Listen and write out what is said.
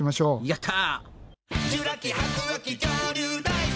やった。